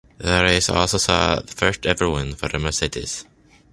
The race also saw the first ever win for a Mercedes.